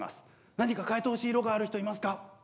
何か変えてほしい色がある人いますか？